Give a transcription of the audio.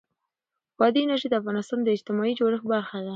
بادي انرژي د افغانستان د اجتماعي جوړښت برخه ده.